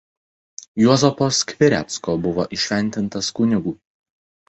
Juozapo Skvirecko buvo įšventintas kunigu.